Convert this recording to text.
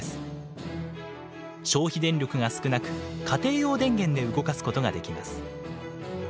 消費電力が少なく家庭用電源で動かすことができます。